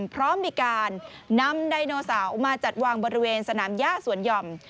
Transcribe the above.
พร้อมมีการนำไดโนเสาร์มาจัดวางบริเวณสนามย่าสวนหย่อม